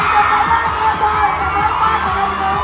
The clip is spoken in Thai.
ขอบคุณมากสวัสดีครับ